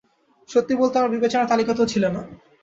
সত্যি বলতে, আমার বিবেচনার তালিকাতেও ছিলে না।